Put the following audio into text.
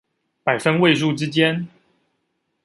百分位數之間